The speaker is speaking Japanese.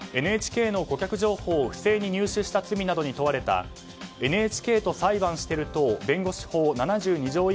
ＮＨＫの顧客情報を不正に入手した罪などに問われたＮＨＫと裁判してる党弁護士法７２条